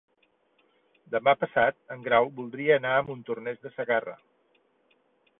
Demà passat en Grau voldria anar a Montornès de Segarra.